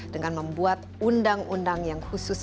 dengan membuat undang undang yang khusus